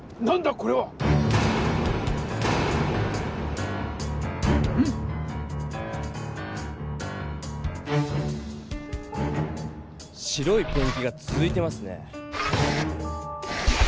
これは！ん⁉白いペンキがつづいてますね。